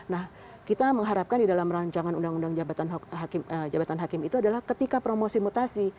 nah kita mengharapkan di dalam rancangan undang undang jabatan hakim itu adalah ketika promosi mutasi